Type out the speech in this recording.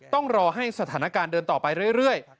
ต้องรอให้สถานการณ์เดินต่อไปเรื่อย